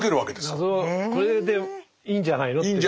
謎これでいいんじゃないのって。